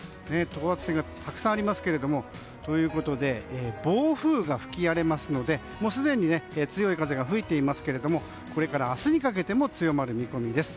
等圧線がたくさんありますけども。ということで暴風が吹き荒れますのでもうすでに強い風が吹いていますけどこれから明日にかけても強まる見込みです。